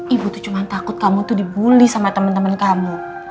ibu tuh cuman takut kamu tuh dibully sama temen temen kamu